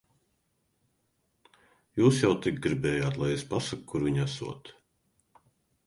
Jūs jau tik gribējāt, lai es pasaku, kur viņi esot.